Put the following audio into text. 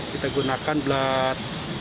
kita gunakan bled